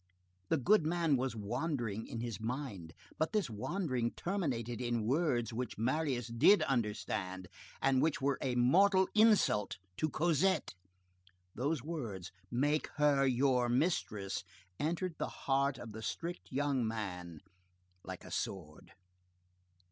The good man was wandering in his mind. But this wandering terminated in words which Marius did understand, and which were a mortal insult to Cosette. Those words, "make her your mistress," entered the heart of the strict young man like a sword.